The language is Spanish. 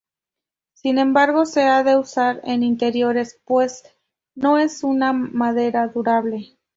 Sin embargo, se ha de usar en interiores pues no es una madera durable.